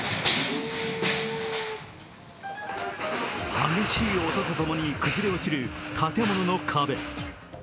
激しい音とともに崩れ落ちる建物の壁。